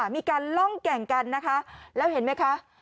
มีการล่องแก่งกันนะคะแล้วเห็นไหมคะ